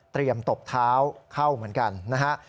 เตรียมตบเท้าเข้าเหมือนกันนะฮะ